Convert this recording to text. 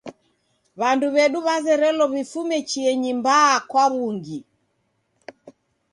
W'andu w'edu w'azerelo w'ifume chienyi mbaa kwa w'ungi.